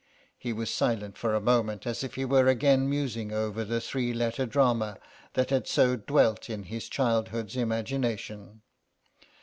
He was silent for a moment as if he were again musing over the three letter drama that had so dwelt in his childhood's imagination.